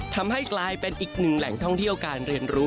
ทำให้กลายเป็นอีกหนึ่งแหล่งท่องเที่ยวการเรียนรู้